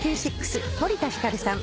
森田ひかるさん